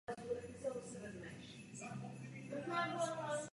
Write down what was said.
Byla využita věžička na domu přístavního úřadu.